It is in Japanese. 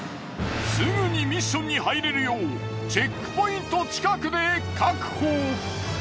すぐにミッションに入れるようチェックポイント近くで確保。